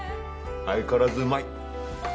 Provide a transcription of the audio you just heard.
相変わらずうまい。